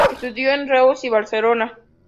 Estudió en Reus y Barcelona.